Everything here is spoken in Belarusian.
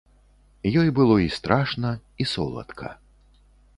Ёй было і страшна, і соладка.